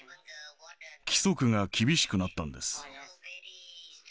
規則が厳しくなったんです。